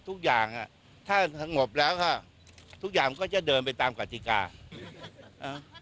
ทุกอย่างอ่ะถ้าสงบแล้วก็ทุกอย่างมันก็จะเดินไปตามกติกาอ่า